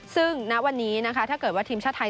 ซึ่งณวันนี้นะคะถ้าเกิดว่าทีมชาติไทย